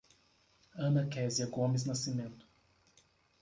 Ana Quesia Gomes Nascimento